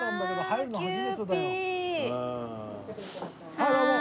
あっどうも。